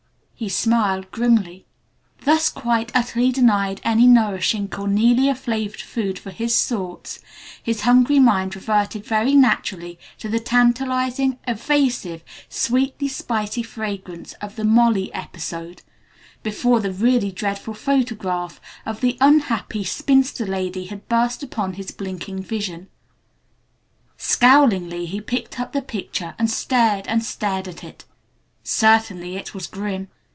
he smiled grimly. Thus quite utterly denied any nourishing Cornelia flavored food for his thoughts, his hungry mind reverted very naturally to the tantalizing, evasive, sweetly spicy fragrance of the 'Molly' episode before the really dreadful photograph of the unhappy spinster lady had burst upon his blinking vision. Scowlingly he picked up the picture and stared and stared at it. Certainly it was grim.